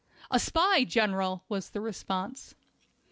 "A spy, General," was the response.